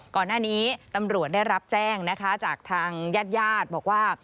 ก่อนหน้านี้ตำรวจได้รับแจ้งนะคะจากทางญาติญาติบอกว่า